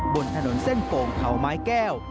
บนถนนเส้นโป่งเขาไม้แก้ว